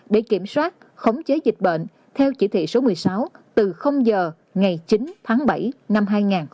để kiểm soát khống chế dịch bệnh theo chỉ thị số một mươi sáu từ giờ ngày chín tháng bảy năm hai nghìn hai mươi